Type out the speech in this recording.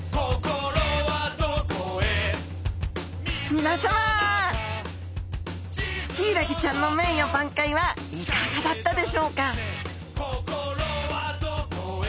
皆さまヒイラギちゃんの名誉挽回はいかがだったでしょうか？